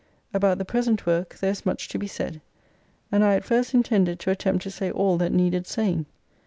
About the present work there is much to be said : and I at first intended to attempt to say all that needed saying.